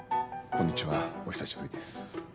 こんにちは、お久しぶりです。